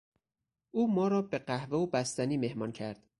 او ما را به قهوه و بستنی مهمان کرد.